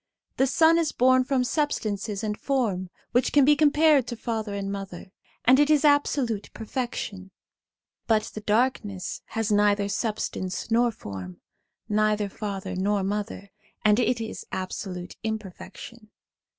The sun is born from substance and form, which can be compared to father and mother, and it is absolute perfection ; but the darkness has neither substance nor form, neither father nor mother, and it is absolute imperfection.